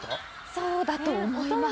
そうだと思います。